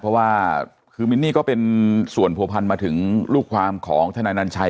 เพราะว่าคือมินนี่ก็เป็นส่วนผัวพันมาถึงลูกความของทนายนัญชัย